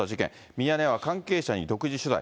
ミヤネ屋は関係者に独自取材。